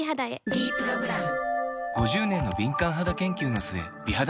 「ｄプログラム」